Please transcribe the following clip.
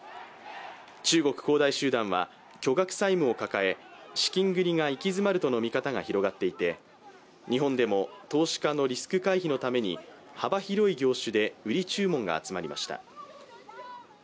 中国恒大集団は巨額債務を抱え資金繰りが行き詰まるとの見方が広がっていて、日本でも投資家のリスク回避のために幅広い業種で売り注文が集まりました。